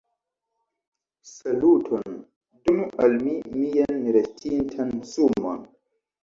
Saluton, donu al mi mian restintan sumon